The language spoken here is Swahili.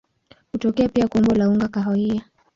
Hutokea pia kwa umbo la unga kahawia.